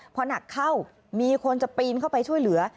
พอหนักเข้ามีคนจะปีนเข้าไปช่วยเหลือ